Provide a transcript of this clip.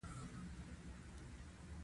افغانستان کې جلګه د چاپېریال د تغیر نښه ده.